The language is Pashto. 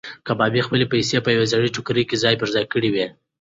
کبابي خپلې پیسې په یوې زړې ټوکرۍ کې ځای پر ځای کړې وې.